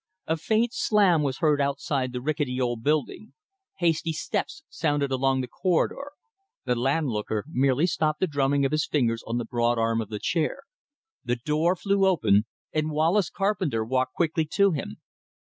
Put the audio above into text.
A faint slam was heard outside the rickety old building. Hasty steps sounded along the corridor. The landlooker merely stopped the drumming of his fingers on the broad arm of the chair. The door flew open, and Wallace Carpenter walked quickly to him.